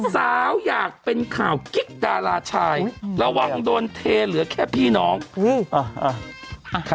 อยากเป็นข่าวกิ๊กดาราชายระวังโดนเทเหลือแค่พี่น้องอุ้ย